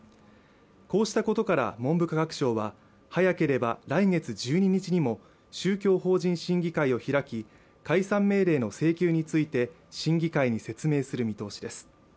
こうしたことから文部科学省は早ければ来月１２日にも宗教法人審議会を開き解散命令の請求について審議会に説明する見通しです